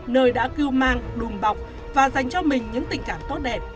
nơi đã cưu mang đùm bọc và dành cho mình những tình cảm tốt đẹp